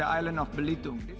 terima kasih loma